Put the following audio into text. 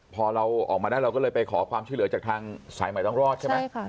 พอเราออกมาได้เราก็เลยไปขอความช่วยเหลือจากทางสายใหม่ต้องรอดใช่ไหม